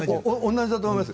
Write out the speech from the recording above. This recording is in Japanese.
同じだと思います。